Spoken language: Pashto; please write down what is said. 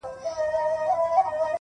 ه ياره د څراغ د مــړه كولو پــه نـيت،